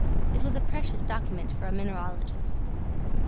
It was a precious document for a mineralogist.